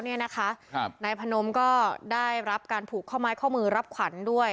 เนี้ยนะคะครับนายพนมก็ได้รับการผูกข้อไม้ข้อมือรับขวัญด้วย